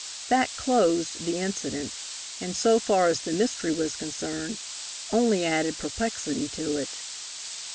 That closed the incident, and, so far as the mystery was concerned, only added perplexity to it.